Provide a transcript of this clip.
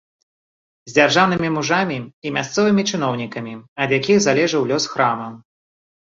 З дзяржаўнымі мужамі і мясцовымі чыноўнікамі, ад якіх залежаў лёс храма.